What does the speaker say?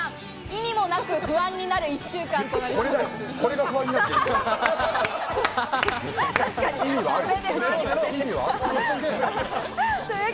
意味もなく、不安になる１週間となりそう。